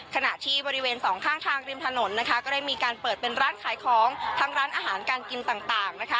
ขณะที่บริเวณสองข้างทางริมถนนนะคะก็ได้มีการเปิดเป็นร้านขายของทั้งร้านอาหารการกินต่างนะคะ